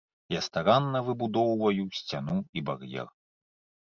Я старанна выбудоўваю сцяну і бар'ер.